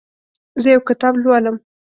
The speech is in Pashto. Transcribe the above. زه یو کتاب لولم.